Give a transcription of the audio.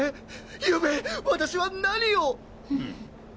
ゆうべ私は何を！？